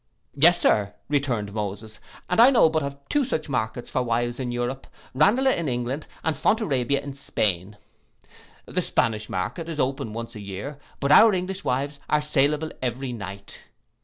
'Yes, Sir,' returned Moses, 'and I know but of two such markets for wives in Europe, Ranelagh in England, and Fontarabia in Spain. The Spanish market is open once a year, but our English wives are saleable every night.